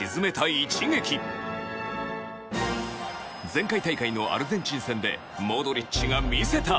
前回大会のアルゼンチン戦でモドリッチが魅せた！